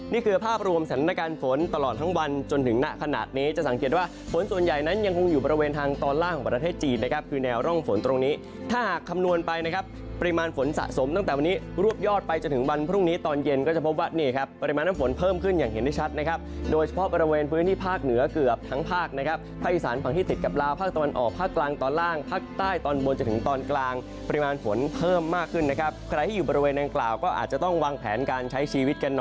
นี่คือภาพรวมสถานการณ์ฝนตลอดทั้งวันจนถึงหน้าขนาดนี้จะสังเกตว่าฝนส่วนใหญ่นั้นยังคงอยู่ประเวณทางตอนล่างของประเทศจีนนะครับคือแนวร่องฝนตรงนี้ถ้าหากคำนวณไปนะครับปริมาณฝนสะสมตั้งแต่วันนี้รวบยอดไปจนถึงวันพรุ่งนี้ตอนเย็นก็จะพบว่านี่ครับปริมาณฝนเพิ่มขึ้นอย่างเห็นได้ช